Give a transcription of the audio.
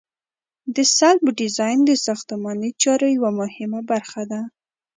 د سلب ډیزاین د ساختماني چارو یوه مهمه برخه ده